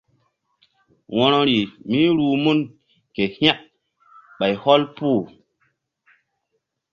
Wo̧rori míruh mun ke hȩk ɓay hɔl puh.